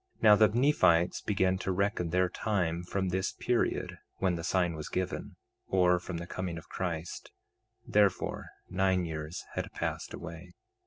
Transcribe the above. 2:8 Now the Nephites began to reckon their time from this period when the sign was given, or from the coming of Christ; therefore, nine years had passed away.